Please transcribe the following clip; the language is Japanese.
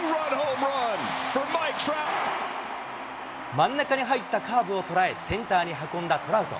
真ん中に入ったカーブを捉え、センターに運んだトラウト。